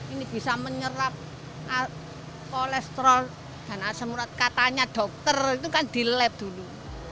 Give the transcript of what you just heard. ini bisa menyerap kolesterol dan asam urat katanya dokter itu kan di lab dulu